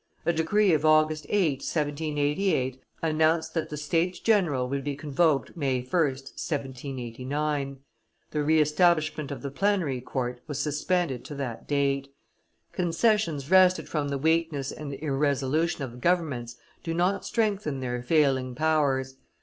A decree of August 8, 1788, announced that the States general would be convoked May 1, 1789: the re establishment of the plenary court was suspended to that date. Concessions wrested from the weakness and irresolution of governments do not strengthen their failing powers.